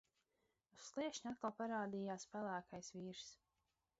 Uz sliekšņa atkal parādījās pelēkais vīrs.